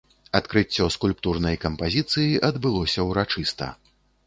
Адкрыццё скульптурнай кампазіцыі адбылося ўрачыста.